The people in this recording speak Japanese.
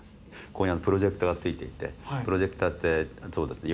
ここにプロジェクターがついていてプロジェクターってそうですね